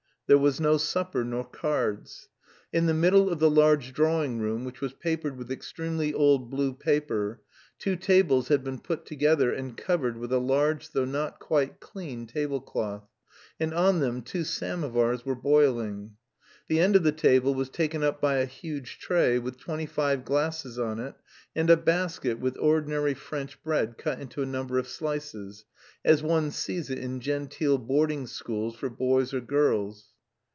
There was no supper nor cards. In the middle of the large drawing room, which was papered with extremely old blue paper, two tables had been put together and covered with a large though not quite clean table cloth, and on them two samovars were boiling. The end of the table was taken up by a huge tray with twenty five glasses on it and a basket with ordinary French bread cut into a number of slices, as one sees it in genteel boarding schools for boys or girls.